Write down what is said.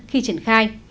khi triển khai